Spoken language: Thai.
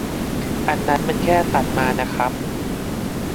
อันนั้นแค่ตัดมาน่ะครับ